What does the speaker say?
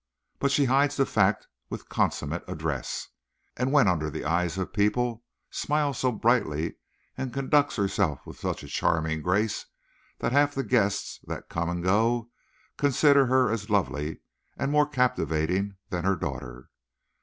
But she hides the fact with consummate address, and when under the eyes of people smiles so brightly and conducts herself with such a charming grace that half the guests that come and go consider her as lovely and more captivating than her daughter.